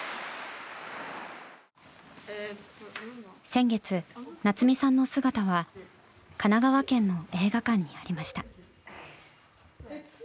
先月、夏実さんの姿は神奈川県の映画館にありました。